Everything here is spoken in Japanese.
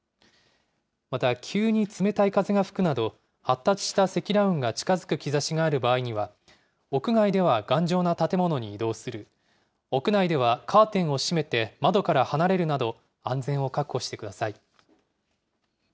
また、急に冷たい風が吹くなど発達した積乱雲が近づく兆しがある場合には、屋外では頑丈な建物に移動する、屋内ではカーテンを閉めて、窓から離れるなど、安全を確保してください。